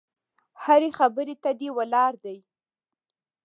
هرې خبرې ته دې ولاړ دي.